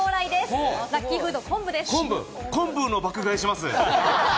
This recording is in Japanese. こんぶの爆買いします。